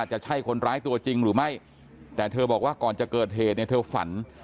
จะใช่คนร้ายตัวจริงหรือไม่แต่เธอบอกว่าก่อนจะเกิดเหตุเนี่ยเธอฝัน